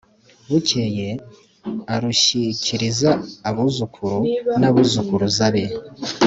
bukeye arushyikiriza abuzukuru n'abuzukuruza be.